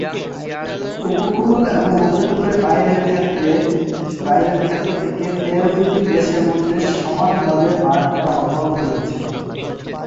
উপকূল এবং উপকূলের বাইরের ক্ষেত্র থেকে তেল দুটি দেশের মধ্যে সমানভাবে ভাগ করা অব্যাহত রয়েছে।